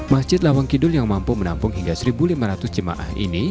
masjid lawang kidul yang mampu menampung hingga satu lima ratus jemaah ini